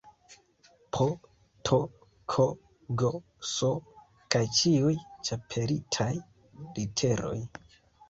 P, T, K, G, S kaj ĉiuj ĉapelitaj literoj